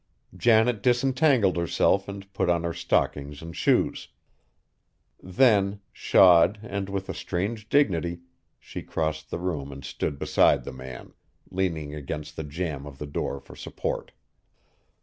Janet disentangled herself and put on her stockings and shoes. Then, shod and with a strange dignity, she crossed the room and stood beside the man, leaning against the jamb of the door for support.